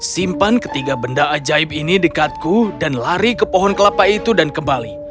simpan ketiga benda ajaib ini dekatku dan lari ke pohon kelapa itu dan kembali